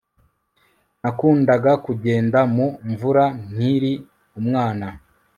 Nakundaga kugenda mu mvura nkiri umwana